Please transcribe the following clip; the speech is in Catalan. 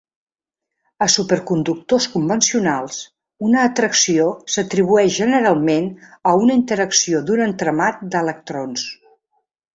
A superconductors convencionals, una atracció s'atribueix generalment a una interacció d'un entramat d'electrons.